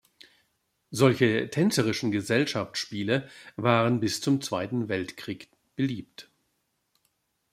Solche tänzerischen Gesellschaftsspiele waren bis zum Zweiten Weltkrieg beliebt.